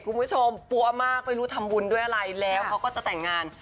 ปั๊วมากไม่รู้ทำบุญด้วยอะไรแล้วเขาก็จะแต่งงาน